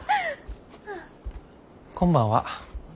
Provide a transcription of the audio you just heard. こんばんは。